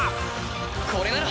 これなら！